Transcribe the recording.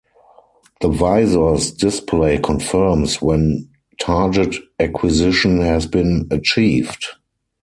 The visor's display confirms when target acquisition has been achieved.